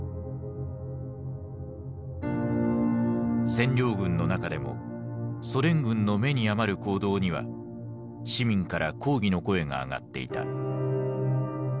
占領軍の中でもソ連軍の目に余る行動には市民から抗議の声が上がっていた。